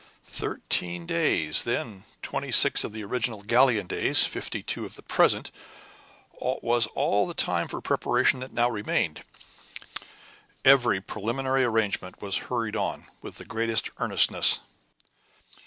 Thirteen days, then twenty six of the original Gallian days, fifty two of the present was all the time for preparation that now remained. Every preliminary arrangement was hurried on with the greatest earnestness.